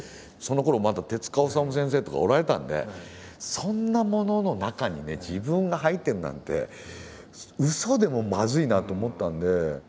そのころまだ手治虫先生とかおられたんでそんなものの中にね自分が入ってるなんてうそでもまずいなと思ったんで。